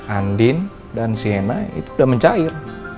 andin dan sienna itu udah mencair